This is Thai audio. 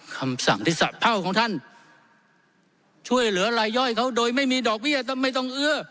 คำสั่งที่สะเภาของท่านช่วยเหลือรายย่อยเขาโดยไม่มีดอกเบี้ยไม่ต้องเอื้อ